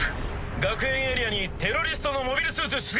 学園エリアにテロリストのモビルスーツ出現。